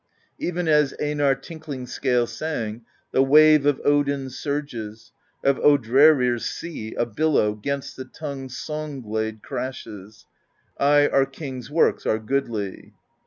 Even as Einarr Tinkling Scale sang: The Wave of Odin surges; Of Odrerir's Sea a billow 'Gainst the tongue's song glade crashes; Aye our King's works are goodly.